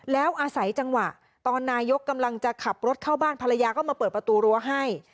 แล้วอาศัยจังหวะตอนนายกกำลังจะขับรถเข้าบ้านภรรยาก็มาเปิดประตูรั้วให้